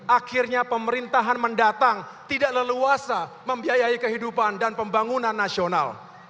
akhirnya pemerintahan mendatang tidak leluasa membiayai kehidupan dan pembangunan nasional